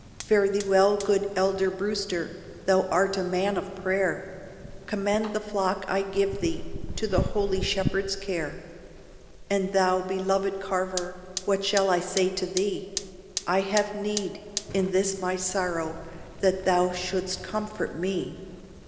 Fare thee well, good Elder Brewster! thou art a man of prayer; Commend the flock I give thee to the holy Shepherd's care. And thou, belovéd Carver, what shall I say to thee? I have need, in this my sorrow, that thou shouldst comfort me.